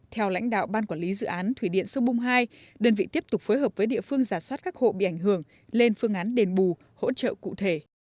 theo lãnh đạo ban quản lý dự án thủy điện sông bung hai đơn vị tiếp tục phối hợp với địa phương giả soát các hộ bị ảnh hưởng lên phương án đền bù hỗ trợ cụ thể